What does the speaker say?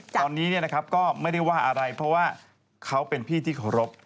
ตอนนี้ก็ไม่ได้ว่าอะไรเพราะว่าเขาเป็นพี่ที่เคารพ